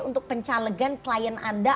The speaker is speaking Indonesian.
untuk pencalegan klien anda